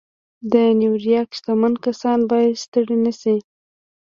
د نيويارک شتمن کسان بايد ستړي نه شي.